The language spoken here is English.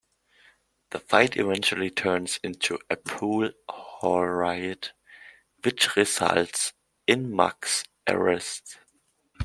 The fight eventually turns into a pool hall riot, which results in Muggs's arrest.